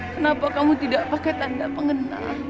kenapa kamu tidak pakai tanda pengenal